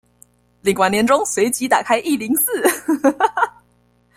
領完年終隨即打開一零四